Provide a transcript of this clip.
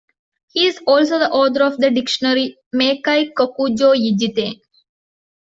He is also the author of the dictionary "Meikai Kokugo Jiten".